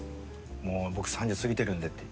「もう僕３０過ぎてるんで」って。